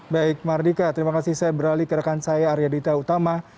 baik mardika terima kasih saya beralih ke rekan saya arya dita utama